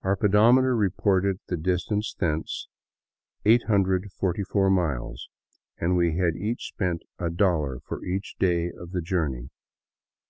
Our pedometer reported the distance thence 844 miles, and we had each spent a dollar for each day of the jour ney.